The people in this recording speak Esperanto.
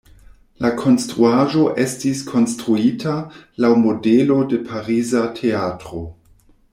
La konstruaĵo estis konstruita laŭ modelo de pariza teatro.